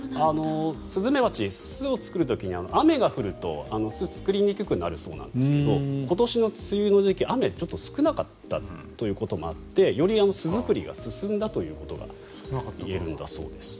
スズメバチ、巣を作る時に雨が降ると巣を作りにくくなるそうなんですが今年の梅雨の時期は雨、ちょっと少なかったということもあってより巣作りが進んだということが言えるんだそうです。